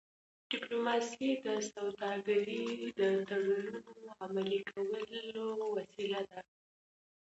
ډيپلوماسي د سوداګری د تړونونو عملي کولو وسیله ده.